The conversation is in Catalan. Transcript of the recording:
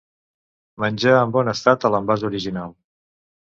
Menjar en bon estat a l'envàs original.